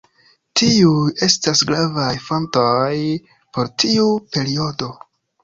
Tiuj estas gravaj fontoj por tiu periodo.